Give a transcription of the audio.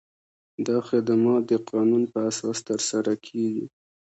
دا خدمات د قانون په اساس ترسره کیږي.